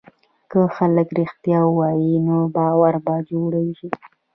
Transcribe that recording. که خلک رښتیا ووایي، نو باور به جوړ شي.